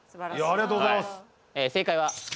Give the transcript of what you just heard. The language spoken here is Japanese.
ありがとうございます。